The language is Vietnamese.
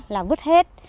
là vứt hết